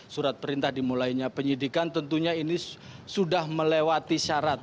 surat perintah dimulainya penyidikan tentunya ini sudah melewati syarat